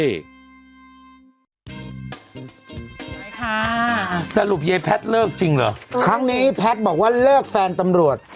เลยค่ะสรุปยายแพทย์เลิกจริงเหรอครั้งนี้แพทย์บอกว่าเลิกแฟนตำรวจ